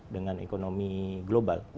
dengan ekonomi global